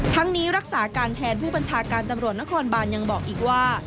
ทั้งนี้รักษาการแทนผู้บัญชาการตำรวจนครบานยังบอกอีกว่า